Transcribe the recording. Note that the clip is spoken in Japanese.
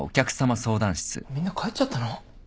みんな帰っちゃったの？